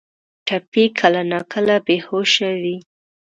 ټپي کله ناکله بې هوشه وي.